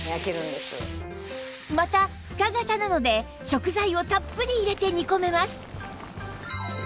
また深型なので食材をたっぷり入れて煮込めます